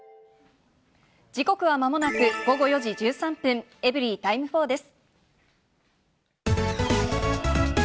時刻はまもなく午後４時１３分、エブリィタイム４です。